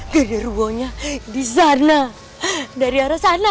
genderwo nya di sana dari arah sana